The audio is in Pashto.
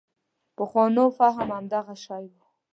پخوانو فهم همدغه شی و.